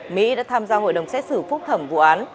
mỹ đã tham gia hội đồng xét xử phúc thẩm vụ án